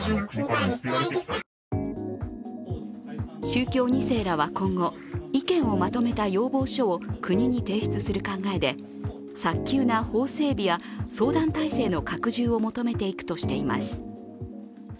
宗教２世らは今後意見をまとめた要望書を国に提出する考えで早急な法整備や相談体制の拡充を求めていくとしています。